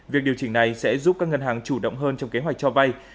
việc điều chỉnh này sẽ giúp các ngân hàng chủ động hơn trong kế hoạch cho vay